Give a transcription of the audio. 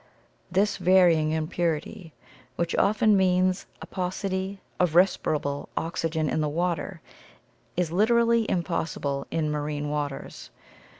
This varying impurity, which often means a pau city of respirable oxygen in the water, is literally impossible in ma rine waters.